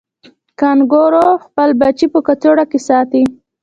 کانګارو خپل بچی په کڅوړه کې ساتي